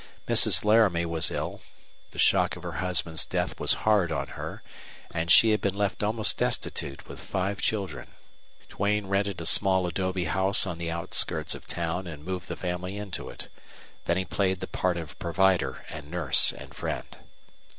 Mrs. Laramie was ill; the shock of her husband's death was hard on her; and she had been left almost destitute with five children. Duane rented a small adobe house on the outskirts of town and moved the family into it. Then he played the part of provider and nurse and friend.